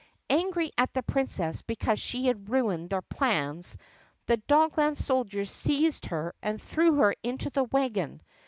Angry at the Princess because she had ruined their plans the Dogland soldiers seized her and threw her into the wagon.